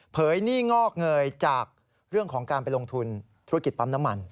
หนี้งอกเงยจากเรื่องของการไปลงทุนธุรกิจปั๊มน้ำมัน